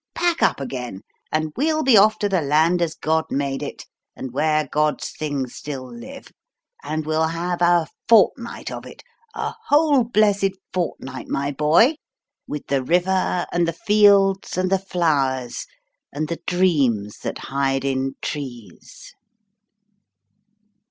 Pack up again and we'll be off to the land as God made it, and where God's things still live; and we'll have a fortnight of it a whole blessed fortnight, my boy, with the river and the fields and the flowers and the dreams that hide in trees."